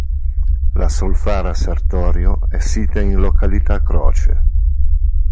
La solfara Sertorio è sita in località Croce.